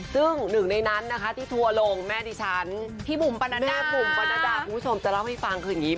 ซึ่งหนึ่งในนั้นนะคะที่ทัวร์ลงแม่ดิฉันพี่บุ๋มแม่บุ๋มปรณดาคุณผู้ชมจะเล่าให้ฟังคืออย่างนี้